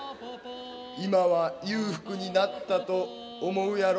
今は裕福になったと思うやろ？